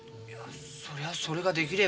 そりゃそれができれば。